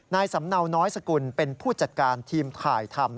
สำเนาน้อยสกุลเป็นผู้จัดการทีมถ่ายทำ